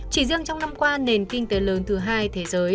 chỉ riêng trong năm qua nền kinh tế lớn thứ hai thế giới